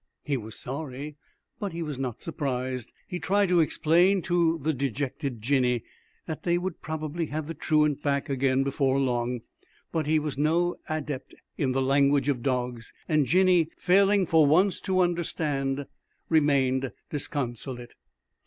He was sorry, but he was not surprised. He tried to explain to the dejected Jinny that they would probably have the truant back again before long. But he was no adept in the language of dogs, and Jinny, failing for once to understand, remained disconsolate.